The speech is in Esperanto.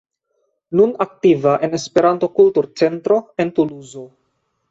Nun aktiva en Esperanto-Kultur-Centro en Tuluzo.